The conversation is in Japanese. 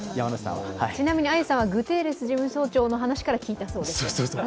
ちなみに、あゆさんはグテーレス事務総長の話から聞いたそうです。